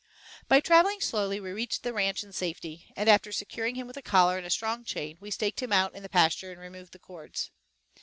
By travelling slowly we reached the ranch in safety, and after securing him with a collar and a strong chain, we staked him out in the pasture and removed the cords.